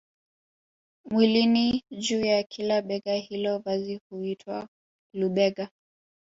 mwilini juu ya kila bega hilo vazi huitwa lubega